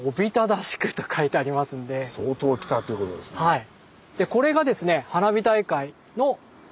はい。